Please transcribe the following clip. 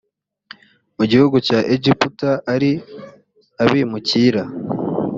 mu gihugu cya egiputa ari abimukira